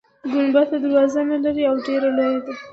ګنبده دروازه نلرله او ډیره لویه وه.